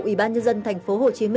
ủy ban nhân dân tp hcm